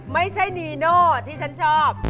ไม่ใช่นีโน่ที่ฉันชอบ